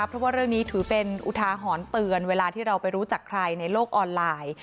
เพราะว่าเรื่องนี้ถือเป็นอุทาหรณ์เตือนเวลาที่เราไปรู้จักใครในโลกออนไลน์